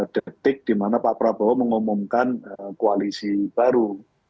detik di mana pak prabowo mengumumkan koalisi baru